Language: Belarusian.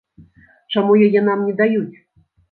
Чаму яе нам не даюць?